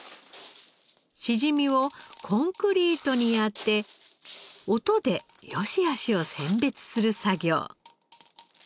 しじみをコンクリートに当て音で良しあしを選別する作業。